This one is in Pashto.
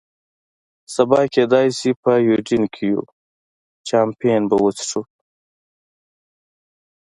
سبا کېدای شي په یوډین کې یو، چامپېن به وڅښو.